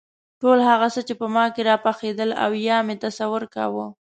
ټول هغه څه چې په ما کې راپخېدل او یا مې تصور کاوه.